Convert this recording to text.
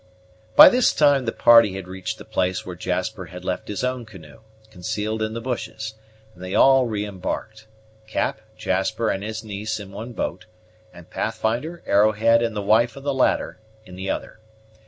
By this time the party had reached the place where Jasper had left his own canoe, concealed in the bushes, and they all re embarked; Cap, Jasper, and his niece in one boat and Pathfinder, Arrowhead, and the wife of the latter in the other.